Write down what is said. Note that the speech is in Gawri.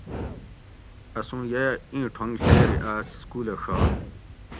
اسوں ییہ اِیں ٹھونگ ڷئیری آۤس سکولہ ڛائے